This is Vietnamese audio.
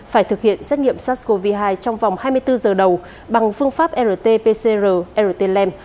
phải thực hiện xét nghiệm sars cov hai trong vòng hai mươi bốn giờ đầu bằng phương pháp rt pcr rt